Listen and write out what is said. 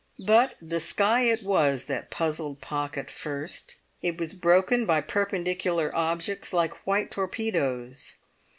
But the sky it was that puzzled Pocket first. It was broken by perpendicular objects like white torpedoes.